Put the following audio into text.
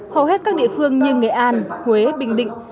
hầu hết các địa phương như nghệ an huế bình định